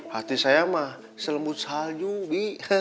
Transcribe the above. hati saya mah selembut salju bi